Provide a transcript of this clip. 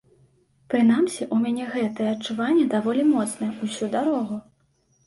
Прынамсі ў мяне гэтае адчуванне даволі моцнае ўсю дарогу.